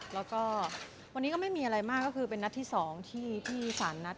แล้วก็วันนี้ก็ไม่มีอะไรมากก็คือเป็นนัดที่๒ที่สารนัด